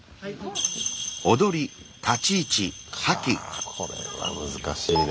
あこれは難しいね。